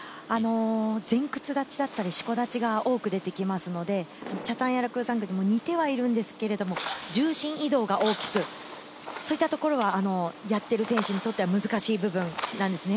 前屈立ちだった四股立ちが多く出てきますので、チャタンヤラクーサンクーでも似てはいるんですが、重心移動が大きく、そういったところはやっている選手にとっては難しい部分なんですね。